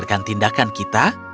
tidak melihat tindakan kita